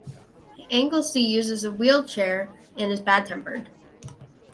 Anglesey uses a wheelchair and is bad-tempered.